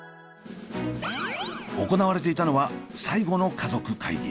行われていたのは最後の家族会議。